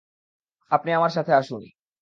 আপনি আমার সাথে আসুন।